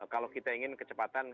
kalau kita ingin kecepatan